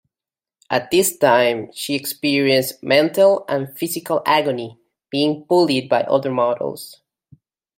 At this time, she experienced mental and physical agony, being bullied by other models.